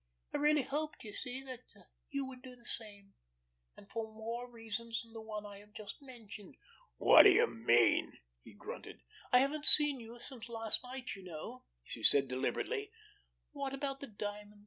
I really hoped, you see, that you would do the same—and for more reasons than the one I have just mentioned." "What do you mean?" he grunted. "I haven't seen you since last night, you know," she said deliberately.